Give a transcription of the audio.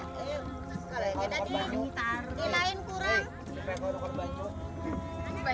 dan apa saja harganya